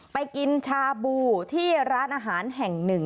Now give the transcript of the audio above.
ไปกินชาบูที่ร้านอาหารแห่งหนึ่ง